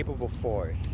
dan belajar dari mereka